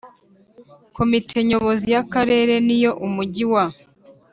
Komite Nyobozi y Akarere n iy Umujyi wa